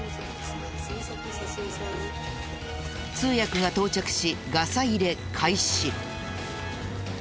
通訳が到着しガサ入れ開始。